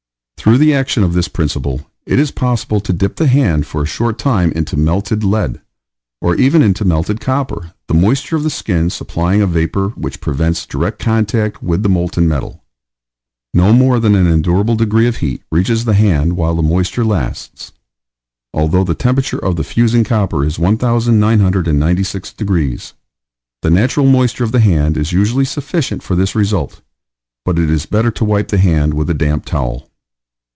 Through the action of this principle it is possible to dip the hand for a short time into melted lead, or even into melted copper, the moisture of the skin supplying a vapor which prevents direct contact with the molten metal; no more than an endurable degree of heat reaches the hand while the moisture lasts, although the temperature of the fusing copper is 1996 degrees. The natural moisture of the hand is usually sufficient for this result, but it is better to wipe the hand with a damp towel.